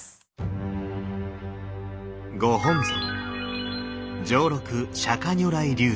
ご本尊